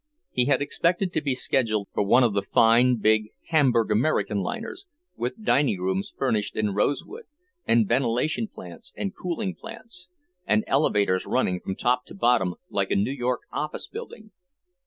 He had expected to be scheduled for one of the fine big Hamburg American liners, with dining rooms finished in rosewood, and ventilation plants and cooling plants, and elevators running from top to bottom like a New York office building.